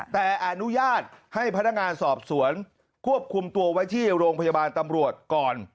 แต่อนุญาตให้พนักงานสอบสวนควบคุมตัวไว้ที่โรงพยาบาลตำรวจก่อน